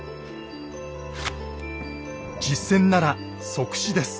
実戦なら即死です。